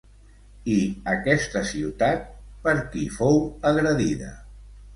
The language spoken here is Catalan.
I aquesta ciutat, per qui fou agredida?